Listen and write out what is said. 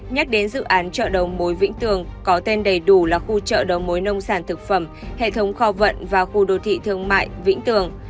nhắc đến dự án chợ đầu mối vĩnh tường có tên đầy đủ là khu chợ đầu mối nông sản thực phẩm hệ thống kho vận và khu đô thị thương mại vĩnh tường